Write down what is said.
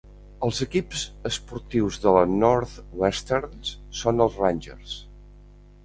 Els equips esportius de la Northwestern són els Rangers.